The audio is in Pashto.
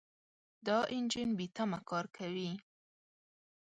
دا انجن بېتمه کار کوي.